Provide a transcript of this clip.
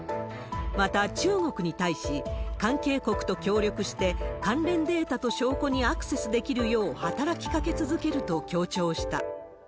また、中国に対し、関係国と協力して、関連データと証拠にアクセスできるよう働きかけ続けると強調した。